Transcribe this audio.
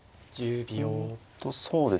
うんとそうですね